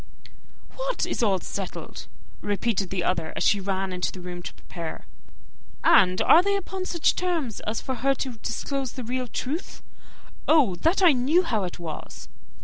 "What is all settled?" repeated the other, as she ran into her room to prepare. "And are they upon such terms as for her to disclose the real truth? Oh, that I knew how it was!"